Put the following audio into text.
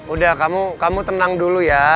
udah kamu tenang dulu ya